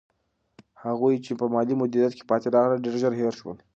هغوی چې په مالي مدیریت کې پاتې راغلل، ډېر ژر هېر شول.